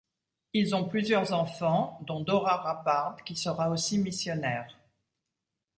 Ils ont plusieurs enfants dont Dora Rappard qui sera aussi missionnaire.